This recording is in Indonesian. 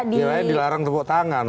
biasanya dilarang tepuk tangan